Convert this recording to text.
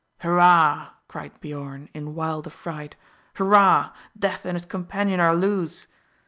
"Hurra!" cried Biorn, in wild affright; "hurra! Death and his companion are loose!"